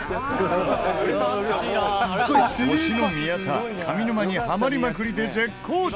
推しの宮田上沼にハマりまくりで絶好調！